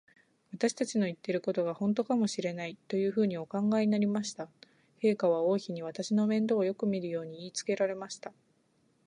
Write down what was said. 私たちの言ってることが、ほんとかもしれない、というふうにお考えになりました。陛下は王妃に、私の面倒をよくみるように言いつけられました。